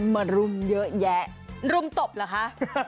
อ๋อมารุมจีบเยอะแยะ